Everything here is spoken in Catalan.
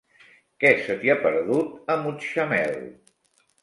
Què se t'hi ha perdut, a Mutxamel?